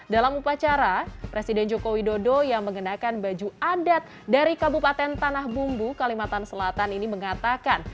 dalam upacara presiden joko widodo yang mengenakan baju adat dari kabupaten tanah bumbu kalimantan selatan ini mengatakan